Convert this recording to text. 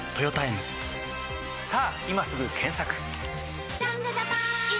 さぁ今すぐ検索！